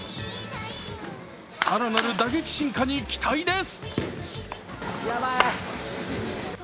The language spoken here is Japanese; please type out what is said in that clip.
更なる打撃進化に期待です。